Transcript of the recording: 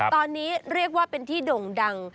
ตอนนี้เรียกว่าเป็นที่ด่งดัง